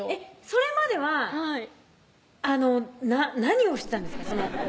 それまではあの何をしてたんですか？